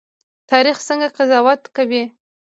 تاریخ څنګه قضاوت کوي؟